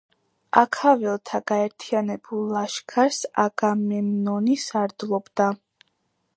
აქაველთა გაერთიანებულ ლაშქარს აგამემნონი სარდლობდა.